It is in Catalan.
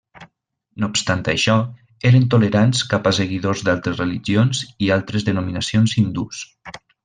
No obstant això, eren tolerants cap a seguidors d'altres religions i altres denominacions hindús.